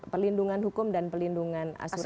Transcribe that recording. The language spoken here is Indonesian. perlindungan hukum dan pelindungan asuransi